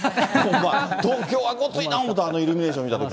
東京はごついな思った、あのイルミネーション見たとき。